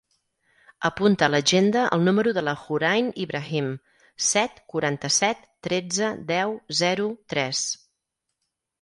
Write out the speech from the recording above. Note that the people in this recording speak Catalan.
Apunta a l'agenda el número de la Hoorain Ibrahim: set, quaranta-set, tretze, deu, zero, tres.